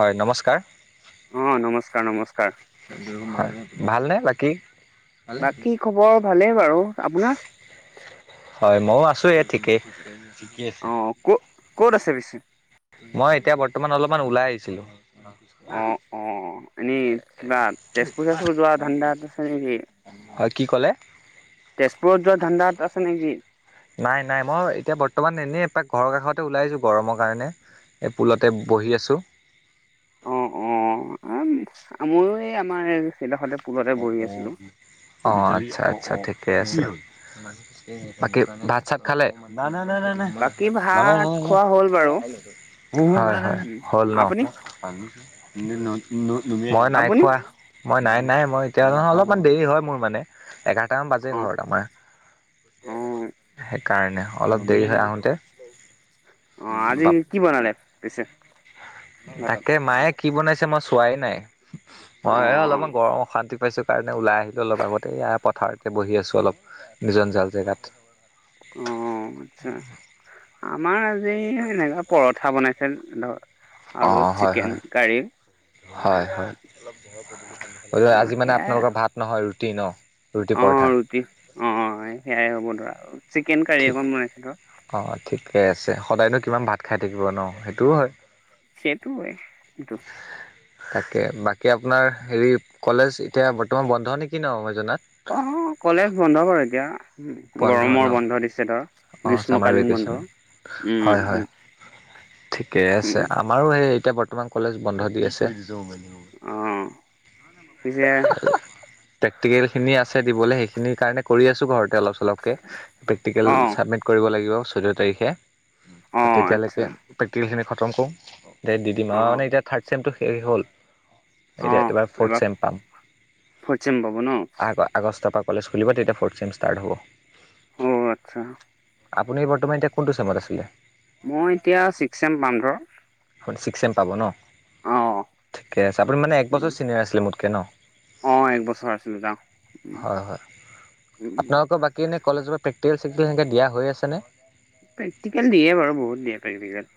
হয়, নমস্কাৰ। অ, নমস্কাৰ, নমস্কাৰ। ভালনে বাকী? বাকী খবৰ ভালে বাৰু আপোনাৰ? হয় মইও আছো এ, ঠিকেই, ঠিক আছে। অ ক ক'ত আছে [unintelligible] মই এতিয়া বৰ্তমান অলপমান ওলাই আহিছিলো। অ', অ', এনে কিবা তেজপুৰ, তেজপুৰ যোৱা ধান্দাত আছে নেকি? হয় কি ক'লে? তেজপুৰত যোৱা ধান্দাত আছে নেকি? নাই, নাই মই এতিয়া বৰ্তমান এনেই এপাক ঘৰৰ কাষতে ওলাই আহিছো গৰমৰ কাৰণে। এই পুলতে বহি আছোঁ। অ', অ', ময়ো এই আমাৰ [unintelligible] অ, আছিলো। আচ্ছা, আচ্ছা ঠিকে আছে। বাকী ভাত, চাত খালে নাই, নাই, নাই, নাই। নালাগে, বাকী ভাত নালাগে, খোৱা হ'ল বাৰু নালাগে, উম হয় হ'ল ন। আপুনি মই নাই আপুনি? খোৱা মই নাই, নাই। এতিয়া নহয় অলপমান দেৰি হয় মোৰ মানে [unintelligible] ঘৰত আমাৰ অ অ সেইকাৰণে অলপ দেৰি হয়। অ, আজি আহোঁতে কি বনালে পিছে? ভাতত? তাকে মায়ে কি বনাইছে মই চোৱাই নাই অ মই অ অলপমান গৰম অশান্তি পাইছো। কাৰণে ওলাই আহিলোঁ অলপ আগতে এইয়া পথাৰতে বহি আছোঁ অলপ নিজন জাল জেগাত। অ', আচ্ছা আমাৰ আজি এনেকা পৰঠা বনাইছে ধৰ আৰু অ', হয় চিকেন হয় কাৰী। হয় হয়। আমাৰ আজি মানে সেয়াই আপোনালোকৰ ভাত নহয় ৰুটি ন ৰুটি অ' পৰঠা। ৰুটি অ', সেয়াই হ'ব ধৰা চিকেন কাৰী অকণ [unintelligible] অঁ', ঠিকে আছে সদায়নো কিমান ভাত খাই থাকিব ন সেইটোও হয়। সেইটোৱেই। তাকে বাকী আপোনাৰ হেৰি কলেজ এতিয়া বৰ্তমান বন্ধ নেকি ন মই জনাত। অ', কলেজ বন্ধ বাৰু এতিয়া গৰমৰ বন্ধ দিছে ধৰ। অঁ', ছামাৰ গ্ৰীষ্মকালীন বন্ধ ভেকেশ্যন হয় হয় উম, ঠিকে আছে। উম, আমাৰো সেই এতিয়া বৰ্তমান কলেজ বন্ধ দি আছে। অঁ', পিছে প্ৰেক্টিকেল খিনি আছে দিবলৈ সেইখিনিৰ কাৰণে কৰি আছো ঘৰতে অলপ চলপকৈ প্ৰেক্টিকেল অ' ছাবমিট কৰিব লাগিব চৈধ্য তাৰিখে তো অ' আচ্ছা তেতিয়ালৈকে প্ৰেক্টিকেলখিনি খতম কৰোঁ দে দি দিম আৰু অ' মানে এতিয়া থাৰ্ড চেমটো শেষ হ'ল। এতিয়া অ' এইবাৰ ফৰ্থ এবাৰ চেম পাম ফৰ্থ চেম পাব ন' আকৌ আগষ্টৰ পৰা কলেজ খুলিব তেতিয়া ফ'ৰ্থ চেম ষ্টাৰট হ'ব। অঁ', আচ্ছা। আপুনি বৰ্তমান এতিয়া কোনটো চেমত আছিলে? মই এতিয়া ছিক্স এম পাম ধৰ। আপুনি ছিক্স এম পাব ন অ' ঠিকে আছে আপুনি মানে এক বছৰ ছিনিয়ৰ আছিলে মোত কে ন অ একবছৰ আছিলো যাওঁ। হয় হয় আপোনালোকৰ বাকী স এনে কলেজৰ পেক্টিকেল চেক্তিকেল সনেকৈ দিয়া হয় আছেনে? প্ৰেকটিকেল দিয়ে বাৰু বহুত দিয়ে প্ৰেক্টিকেল।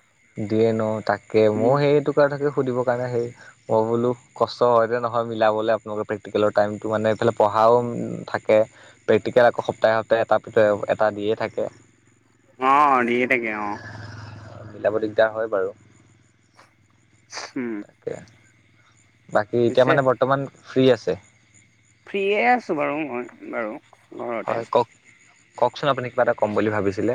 দিয়ে ন তাকে মোৰ উম সেইটো থাকে সুধিবৰ কাৰণে সেই মই বো কষ্ট হয় যে নহয় হয় মিলাবলৈ আপোনালোকৰ প্ৰেক্টিকেলৰ টাইমটো মানে এইফালে পঢ়াও থাকে। প্ৰেক্টিকেল আকৌ সপ্তাহে সপ্তাহ এটটা পি এটা দিয়ে থাকে। অ', দিয়ে থাকে অ'। মিলাব দিগদাৰ হয় বাৰু। উম। তাকে বাকী এতিয়া পিছে মানে বৰ্তমান ফ্ৰী আছে? ফ্ৰী আছোঁ বাৰু মই বাৰু। ঘৰতে হয় কওক কওকচোন আপুনি কিবা এটা ক'ম বুলি ভাবিছিলে।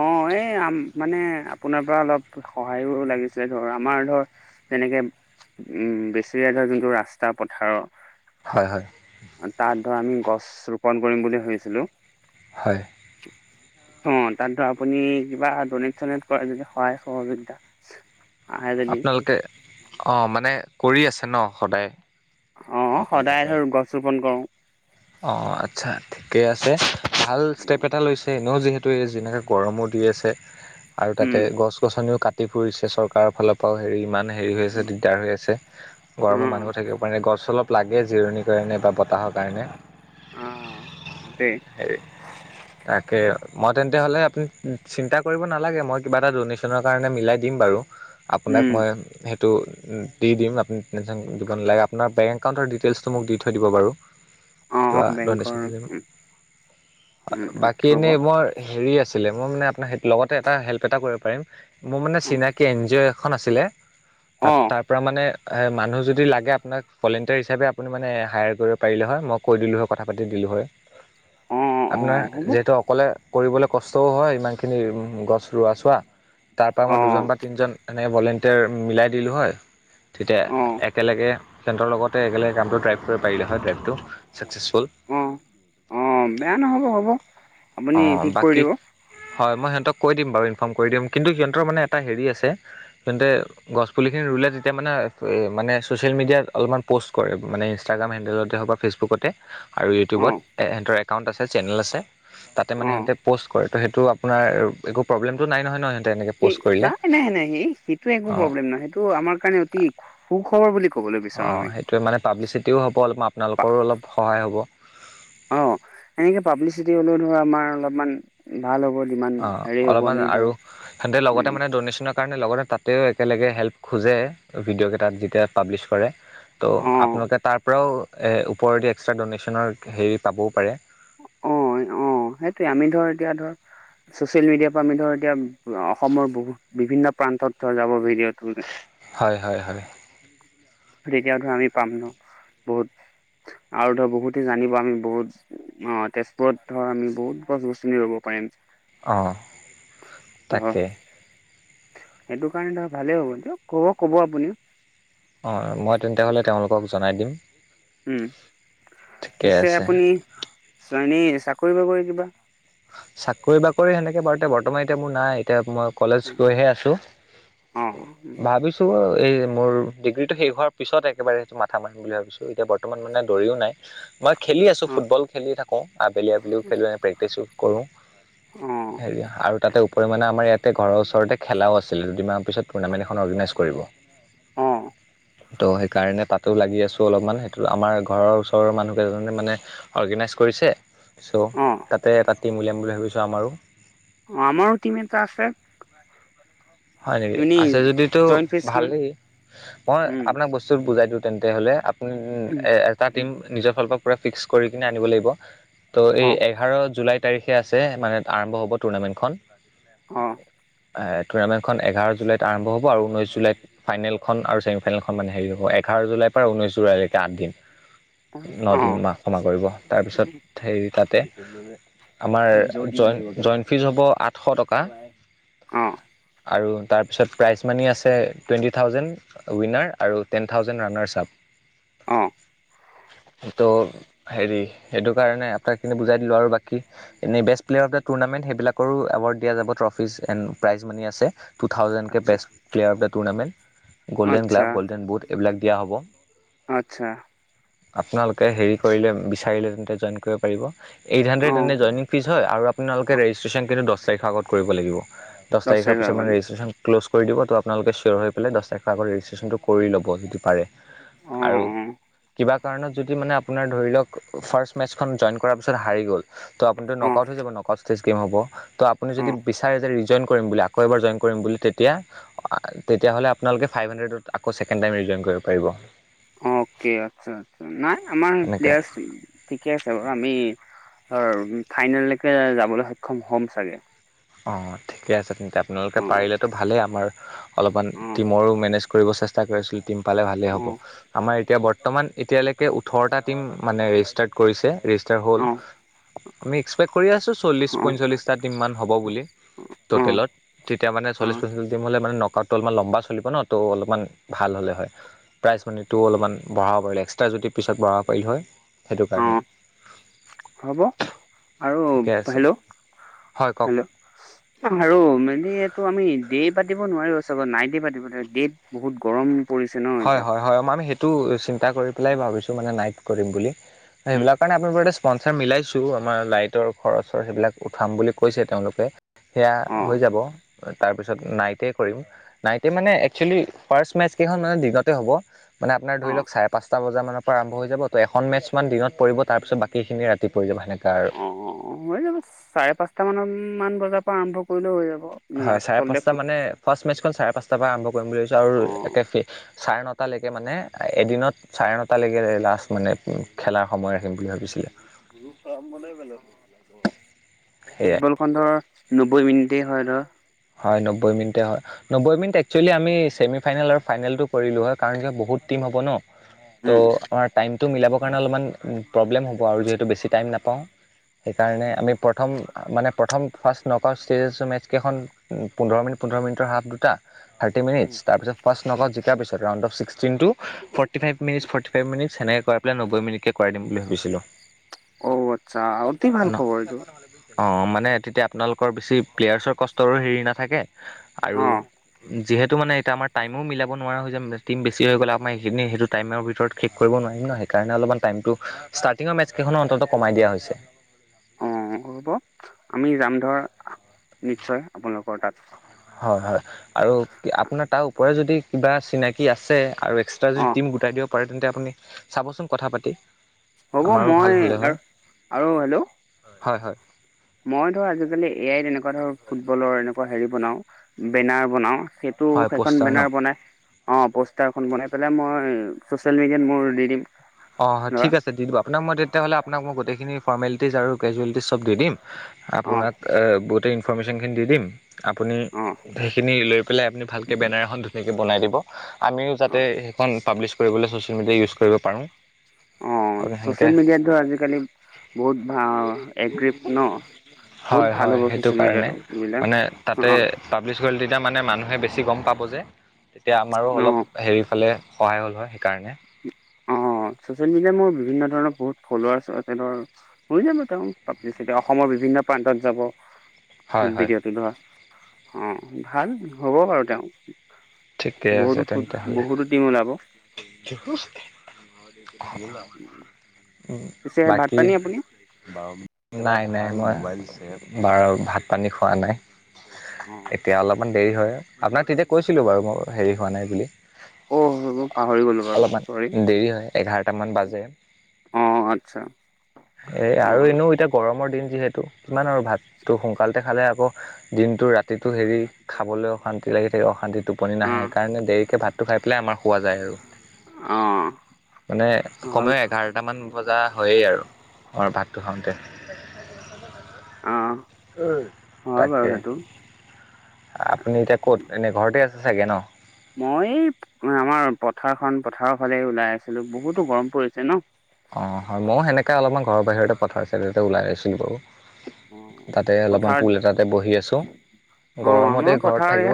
অ', এই আম মানে আপোনাৰ পৰা অলপ সহায়ো লাগিছে ধৰ আমাৰ ধৰ তেনেকে উম, বেছেৰীয়া ধৰ যোনটো ৰাস্তা পথাৰৰ। হয় হয়। তাত ধৰ আমি গছ ৰোপণ কৰিম বুলি ভাবিছিলোঁ। হয়। [unintelligible] অ', তাত ধ আপুনি কিবা ডনেট চনেট কৰা যদি সহায় সহযোগিতা। আহে যদি আপোনালোকে অঁ', মানে কৰি আছে ন সদায়? অ', সদায় ধৰ গছ ৰোপন কৰোঁ। অ', আচ্ছা ঠিকে আছে ভাল ষ্টেপ এটা লৈছে ন যিহেতু যেনোকে গৰমো দি আছে আৰু তাতে উম। গছ গছনি কা ফুৰিছে চৰকাৰৰ ফালৰ পৰাও হেৰি ইমান হেৰি হৈ আছে দিগদাৰ হৈ আছে গৰমৰ উম, মানুহ থাকিব পাৰে গছ অলপ লাগে জিৰণিৰ কাৰণে বা বতাহৰ কাৰণে। অ', তাকে। হেৰি তাকে মই তেন্তে হলে আপুনি চিন্তা কৰিব নালাগে মই কিবা এটা ডনেশ্যন কাৰণে মিলাই দিম বাৰু উম, আপোনাক মই টো দি দিম আপুনি টেনশ্যন দিব নালাগে আপোনাৰ বেংক একাউণ্টৰ ডিটেইলচটো মোক দি থৈ দিব বাৰু। কিবা অ', ডনেশ্যন বেংকৰ হয় উম, উম, উম, বাকী হ'ব এনেই অ', মই হেৰি আছিলে মই মানে আপোনাৰ লগতে এটা হেল্প এটা কৰিব পাৰিম মোৰ মানে চিনাকি এন জি অ' এখন আছিলে, তাত তাত অ', তাৰ পৰা মানে মানুহ যদি লাগে আপোনাক ভলেণ্টিয়াৰ হিচাপে আপুনি মানে হায়াৰ কৰিব পাৰিলে হয়, মোক কৈ দিলোঁ হয় কথা পাতি দিলোঁ হয়, অ', অ', আপোনাৰ হ'ব যিহেতু ক'লে কৰিবলৈ কষ্টও হয় ইমানখিনি গছ ৰোৱা চোৱা। তাৰ পৰা মই অ', দুজন বা তিনিজন এনেক ভলেণ্টিয়াৰ মিলাই দিলোঁ হয়। অ', তেতিয়া একেলগে সিহঁতৰ লগতে একেলগে কামটো ট্ৰাইভ কৰিব পাৰিলে হয় ডট্ৰাইভটো ছাকচেছফুল। অ' অ' বেয়া নহ'ব হ'ব আপুনি অঁ ঠিক কৰি বাকী দিব। হয় মই সিহঁতক কৈ দিম বাৰু ইনফৰ্ম কৰি দিম কিন্তু সিহঁতৰ মানে এটা হেৰি আছে, সিহঁতে গছপুলিখিনি ৰুলে তেতিয়া মানে মানে ছ'চিয়েল মিডিয়াত অলপমান প'ষ্ট কৰে মানে ইনষ্টাগ্ৰাম হেণ্ডেলতে হওক বা ফেচবু বুকতে আৰু ইউটিউবত অ', সিহঁতৰ একাউণ্ট আছে চেনেল আছে। তাতে মানে অ'। সিহঁতে প'ষ্ট কৰে ত' সেইটো আপোনাৰ একো প্ৰব্লেম টো নাই নহয় ন, সিহঁতে এনেকৈ প'ষ্ট কৰিলে নাই নাই নাই সেই সেইটো একো অঁ প্ৰব্লেম নহয় সেইটো আমাৰ কাৰণে অতি সুখবৰ বুলি ক অ' সেইটোৱে মানে পাব্লিচিটিও হ'ব, অলপমান আপোনালোকৰো অলপ সহায় হ'ব। অ' এনেকৈ পাব্লিচিটি হ'লেও ধৰ আমাৰ অলপমান ভাল হব। যিমান অ' হেৰি হ'ব অলপমান আমি আৰু ধৰ সেন্তে লগতে উম, মানে দনেশ্যন কাৰণে লগতে তাতেও একেলগে হেল্প খোজে ভিডিঅ'কেইতাত যেতিয়া পাব্লিছ কৰে। ত' অ', আপোনালোকে তাৰ পৰাও ওপৰেদি এক্সট্ৰা ড'নেশ্যনৰ হেৰি পাবও পাৰে। অ' অ' সেইটোৱে আমি ধৰ এতিয়া ধৰ ছচিয়েল মিডিয়াৰ পৰা আমি ধৰ এতিয়া অসমৰ বহু বিভিন্ন, প্ৰান্তত ধৰ যাব ভিডিঅ'টো। হয় হয় হয়। তেতিয়াও ধৰ আমি পাম ন বহুত আৰু ধৰ বহুতে জানিব আমি বহুত অ' তেজপুৰত ধৰ আমি বহুত গছ গছনি ৰুব পাৰিম। অ' ধৰ তাকে। সেইটো কাৰণে ধৰ ভালেই হ'ব দিয়ক ক'ব ক'ব আপুনি। অ' মই তেন্তে হ'লে তেওঁলোকক জনাই দিম। ঠিকে পিছে আছে আপুনি এনেই চাকৰি বাকৰি কিবা চাকৰি বাকৰি হেনেকে বাৰু এতিয়া বৰ্তমান এতিয়া মোৰ নাই এতিয়া মই কলেজ গৈহে আছোঁ, অ ভাবিছোঁ টো এই মোৰ ডিগ্ৰীটো শেষ হোৱাৰ পিছত একেবাৰে সেইটো মাথা মাৰিম বুলি ভাবিছো এতিয়া বৰ্তমান মানে দৰিও নাই। মই খেলি আছোঁ অ ফুটবল খেলি থাকো আবেলি আবেলিও খেলোঁ প্ৰেক্টিছো কৰোঁ, অ হেৰি আৰু তাতে পৰি মানে আমাৰ ইয়াতে ঘৰৰ ওচৰতে খেলাও আছিলে দুদিনমান পিছত টুৰ্ণামেণ্ট এখন অৰগেনাইজ কৰিব। অ'। ত' সেইকাৰণে তাতো লাগি আছো অলপমান সেইটো আমাৰ ঘৰৰ ওচৰৰ মানুহকেইজনে মানে অৰ্গেনাইজ কৰিছে ছ' তাতে এটা টিম উলিয়াম বুলি ভাবিছোঁ আমাৰো। অ' আমাৰো টিম এটা আছে। হয় নেকি, এনেই আছে যদিতো জইণ্ট ফিচ কিমান ভালেই মই উম আপোনাক বস্তু বুজাই দি, তেন্তে হলে আপুনি উম এটা টিম উম নিজৰ ফালৰ পৰা পুৰা ফিক্স কৰি কিনে আনিব লাগিব, ত' এই অ এঘাৰ জুলাইত তাৰিখে আছে মানে আৰম্ভ হব টুৰ্ণামেণ্টখন। অ'। এ টুৰ্ণামেণ্টখন এঘাৰ জুলাইত আৰম্ভ হব আৰু ঊনৈশ জুলাইত ফাইনেলখন আৰু ছেমি ফাইনেলখন মানে হেৰি হব এঘাৰ জুলাই পৰা ঊনৈশ জুলাইলৈকে আঠ দিন। ন অ দিন মাহ ক্ষমা কৰিব তাৰপিছত হেৰি তাতে, আমাৰ জই জইন ফীজ হ'ব আঠশ টকা। অ'। আৰু তাৰপিছত প্ৰাইজ মানে আছে টুৱেণ্টি থাউজেণ্ড। উইনাৰ আৰু টেন থাউজেণ্ড ৰানাৰ্চ আপ। অহ। এইটো হেৰি, সেইটো কাৰণে প্ৰায়খিনি বুজাই দিলোঁ আৰু বাকী এনেই best player of the tournament সেইবিলাক কৰোঁ এৱাৰ্ড দিয়া যাব ট্ৰফিজ এণ্ড প্ৰাইজ মানে আছে টু থাউজেণ্ডকৈ আচ্ছা best player of the tournament, golden আচ্ছা গ্লাব, গ'ল্ডেন বুট, এইবিলাক দিয়া হ'ব। আচ্ছা। আপোনালোকে হেৰি কৰিলে, বিচাৰিলে তেন্তে জইন কৰিব পাৰিব, এইট হাণ্ড্ৰেড অঁ এনেই জইনিং ফিজ হয় আৰু আপোনালোকে অঁ ৰেজিষ্ট্ৰেশ্যন কিন্তু দহ তাৰিখৰ আগত কৰিব লাগিব। দহ তাৰিখৰ পিছত মানে ৰেজিষ্ট্ৰেশ্যন আগত। ক্ল'জ দিব ত' আপোনালোকে চিয়ৰ হৈ পাৰিলে দহ তাৰিখৰ আগত ৰেজিষ্ট্ৰেশ্যনটো কৰি ল'ব যদি পাৰে অঁ আৰু অঁ কিবা কিবা কাৰণত যদি মানে আপোনাৰ ধৰি লওঁক ফাৰ্ষ্ট মেচখন জইন কৰাৰ পিছত হাৰি গ'ল। ত' আপুনি ন'ক আওট হৈ যাব, ন'ক আওট ষ্টেচ কিমান হ'ব। ত' আপুনি যদি অঁ বিচাৰে যে ৰিজইন কৰিম বুলি আকৌ এবাৰ জইন কৰিম বুলি তেতিয়া। তেতিয়া হ'লে আপোনালোকে ফাইভ হাণ্ডেডত আকৌ চেকেণ্ড‌ টাইম ৰিজইন কৰিব পাৰিব। অকে আচ্ছা, আচ্ছা। নাই আমাৰ সেনেকুৱা প্লেয়া ঠিকে আছে বাৰু আমি ফাইনেলকে যাবলৈ সক্ষম হ'ম চাগে। অহ, ঠিকে আছে তেন্তে আপোনালোকে অঁ পাৰিলেতো ভালেই আমাৰ অলপমান অঁ টিমৰো মেনেজ কৰিব চেষ্টা কৰিছিলোঁ টিম পালে ভালেই হ'ব। অঁ আমাৰ এতিয়া বৰ্তমান এতিয়ালৈকে ওঠৰটা টিম মানে ৰেজিষ্টাৰ্ড কৰিছে। ৰেজিষ্টাৰ হ'ল অঁ আমি এক্সপেক্ট কৰি আছোঁ, চল্লিছ অঁ পঞ্চল্লিছটা টিমমান হ'ব বুলি অঁ টোতেলত। তেতিয়া মানে চল্লিশ অঁ পঞ্চল্লিছটা টিম হ'লে মানে নকআউটটো অলপ লম্বা চলিব ন'। ত' অলপমান ভাল হ'লে হয়। প্ৰাইজ মানিটো অলপমান বঢ়াব পাৰিলো হয়। এক্সট্ৰা যদি পিছত বঢ়াব পাৰিলি হয় সেইটো কাৰণে। অঁ হ'ব আৰু ঠিকে আছে হেল্ল', হয় হেল্ল'। [unintelligible] আৰু মানে এইটো আমি ডে পাতিব নোৱাৰো চবত, নাইটে পাতিব ডেত বহুত গৰম। পৰিছে ন' হয় এতিয়া। হয় হয় মই আমি সেইটো চিন্তা কৰি পেলাই ভাবিছোঁ মানে নাইট কৰিম বুলি। সেইবিলাক কাৰণে আপুনা স্পনচাৰ মিলাইছোঁ আমাৰ লাইটৰ খৰচৰ সেইবিলাক উঠাম বুলি কৈছে তেওঁলোকে। সেয়া অঁ হৈ যাব। তাৰপিছত নাইটে কৰিম, নাইটে মানে এক্সচোয়েলি ফাৰ্ষ্ট মেচ কেইখন তাতে দিনতে হ'ব মানে আপোন ধৰি অঁ লওঁক চা পাঁচটা বজাৰমানৰ পৰা আৰম্ভ হৈ যাব ত' এখন মেটচমান দিনত পৰিব, তাৰপিছত বাকীখিনি ৰাতি পৰি যাব সেনেকুৱা আৰু। অহ, হৈ যাব। চাৰে পাঁচটামানান বজাৰ পৰা আৰম্ভ কৰিলেও হৈ যাব। হয় চাৰে আচলতে পাঁচটা ফুট মানে, ফাৰ্ষ্ট মেচখন চাৰে পাঁচটাৰ পৰা আৰম্ভ কৰিম বুলি ভাবিছোঁ অ আৰু একেফে চাৰে নটালৈকে মানে এদিনত চাৰে নটালৈকে লাষ্ট মানে খেলাৰ সময় ৰাখিম বুলি ভাবিছিলে। মোৰ কাম মানেই বেলেগ। সেয়াই ফুটবলখন ধৰা নব্বৈ মিনিট হয় ধৰা। হয়, নব্বৈ মিনিটে হয়। নব্বৈ মিনিট একচুৱেলি আমি চেমি ফাইনেল আৰু ফাইনেলটো কৰিলো হয় কাৰণ কিয় বহুত টম হ'ব ন'। ত' আমাৰ টাইমটো মিলাবৰ কাৰণে অলপমান প্ৰব্লেম হ'ব আৰু যিহেতু বেছি টাইম নাপাওঁ সেইকাৰণে আমি উম প প্ৰথম মানে প্ৰথম first knock out stages matches কেইখন পোন্ধৰ মিনিট, পোন্ধৰ মিনিটৰ হাফ দুটা। থাৰ্টি মিনিট তাৰপিছ ফাৰ্ষ্ট ন'ক আউট জিকাৰ পিছত ৰাউণ্ড অফ ছিকটিনটু। Forty five minute, forty five minute এনেকৈ কৰা পেলাই নব্বৈ মিনিটকে কৰাই দিম বুলি ভাবিছিলোঁ। অঔ আচ্ছা অতি ভাল খবৰ এইটো। অ মানে তেতিয়া আপোনালোকৰ বেছি প্লেয়াৰ্চৰ কষ্টৰো হেৰি নাথাকে আৰু অ যিহেতু মানে এতিয়া আমাৰ টাইমও মিলাব নোৱাৰা হৈ যাম টিম বেছি হৈ গ'লে আমাৰ এইখিনি সেইটো টাইমৰ ভিতৰত শেষ কৰিব নোৱাৰিম ন সেইকাৰণে অলপমান টাইমটো ষ্টাৰ্টিঙৰ মেচ কেইখনৰ অন্তত কমাই দিয়া হৈছে। অ হ'ব আমি যাম ধৰ নিশ্চয় আপোনালোকৰ তাত হয় হয় আৰু আপোনাৰ তাৰ ওপৰে যদি কিবা চিনাক আছে আৰু এক্সট্ৰা যদি অ টিম গোটাই দিব পাৰে তেন্তে আপুনি চাবচোন কথা পাতি হ'ব আমাৰো ভাল মই হ'লে হয় আৰু আৰু হেল্ল হয় হয়। মই ধৰ আজিকালি এআইত এনেকুৱা ধৰ ফুটবলৰ এনেকুৱা হেৰি বনাও বেনাৰ বনাও টো হয় সেইখন প'ষ্টাৰ ন বেনাৰ বনাই অ প'ষ্টাৰখন বনাই পেলাই মই চচিয়েল মিডিয়াত মোৰ দি দিম অ হয় ধৰা ঠিক আছে দি দিব আপোনাক মই তেতিয়া হ'লে আপোনাক মই গোটেইখিন ফৰমেলিটিছ কেজুৱেলিটি চব দি দিম অ আপোনাক গোটেই ইনফৰমেশ্যনখিনি দি দিম আপুনি অ সেইখিনি লৈ পেলাই আপুনি ভালকে বেনাৰ এখন ধুনীয়াকে বনাই দিব আমিও অ যাতে সেইখন পাব্লিছ কৰিবলৈ চচিয়েল মিডিয়া ইউজ কৰিব পাৰো। অ চোচিয়েল মিডিয়াত ধৰ আজিকালি বহুত ভ এগ্ৰিভ ন হয় বহুত ভাল হয় হ'ব সেইটো চচিয়েল কাৰণে মিডিয়াটো মানে তাতে এইবিলাক অ পাব্লিছ কৰিলে তেতিয়া মানে মানুহে বেছি গম পাব যে তেতিয়া আমাৰো অ অলপ হেৰিফালে সহায় হ'ল হয় সেইকাৰণে অ ছচিয়েল মিডিয়াত মোৰ বিভিন্ন ধৰণৰ বহুত ফলোআৰ্চ আছে ধৰ হৈ যাব তেওঁ পাব্লিচিটি অসমৰ বিভিন্ন প্ৰান্তত যাব। হয় হয় ভিডিঅ'টো ধৰ অ ভাল হ'ব বাৰু তেওঁ ঠিকে আছে বহুত তেন্তে হ'লে বহুতো টিম ওলাব। পিছে [unintelligible] ভাত বাকী পানী আপুনি নাই, নাই, মই বাৰু ভাত পানী খোৱা নাই। অ' তেতিয়া অলপমান দেৰি হয় আপোনাক তেতিয়া কৈছিলো বাৰু মই হেৰি হোৱা নাই বুলি। অ অ পাহৰি গ'লো বাৰু চৰি অলপমান দেৰি হয়। এঘাৰটামান বাজে। অ' আচ্ছা। এ আৰু অ এনেও এতিয়া গৰমৰ দিন যিহেতু কিমান আৰু ভাতটো সোনকালতে খালে আকৌ দিনটো ৰাতিটো হেৰি খাবলৈ অশান্তি লাগি থাকে অশান্তিটো টোপনি অ', নাহে সেইকাৰণে দেৰিকে ভাত খাই পেলাই আমাৰ শুৱা যায় আৰু অ', মানে হয়, কমেও এঘাৰটামান বজা হয়েই আৰু আমাৰ ভাতটো খাওঁতে অ' হয় বাৰু তাকে। সেইটো। আপুনি এতিয়া ক'ত এনেই ঘৰতে আছে চাগে ন। মই এই আমাৰ পথাৰখন পথাৰৰ ফালে ওলাই আহিছিলো বহুতো গৰম পৰিছে ন। অ' হয়। ময়ো সেনেকে অলপমান ঘৰৰ বাহিৰতে পথাৰ চাইডতে ওলাই আহিছিলো বাৰু। অ তাতে অলপমান পথাৰত পুল এটাতে বহি আছো। অ আমাৰো পথাৰ এয়া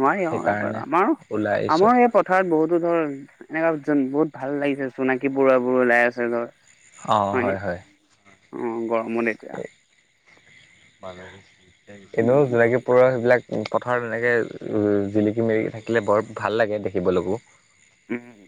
নোৱাৰি অ সেইকাৰণে আমাৰো ওলাই আহিছোঁ আমাৰ এই পথাৰত বহুতো ধৰ এনেকুৱা বহুত ভাল লাগিছে। জোনাকী পৰুৱা বোৰ ওলাই আছে ধৰ অ' হয়নে? হয়, হয়। অ' গৰমো কিন্তু উম, জোনাকী পৰুৱা সেইবিলাক পথাৰত এনেকৈ জিলিকি মৰিকি থাকিলে বৰ ভাল লাগে দেখিবলৈকো। উম,